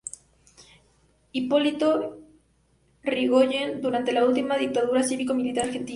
Hipólito Yrigoyen, durante la última dictadura cívico-militar argentina.